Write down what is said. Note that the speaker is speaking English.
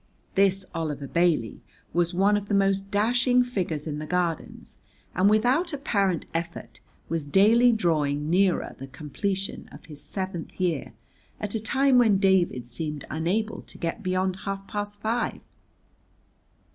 This Oliver Bailey was one of the most dashing figures in the Gardens, and without apparent effort was daily drawing nearer the completion of his seventh year at a time when David seemed unable to get beyond half past five.